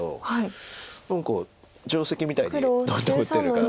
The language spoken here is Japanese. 何か定石みたいにどんどん打ってるから。